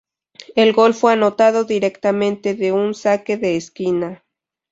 El gol fue anotado directamente de un saque de esquina.